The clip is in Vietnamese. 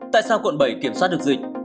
tại sao quận bảy kiểm soát được dịch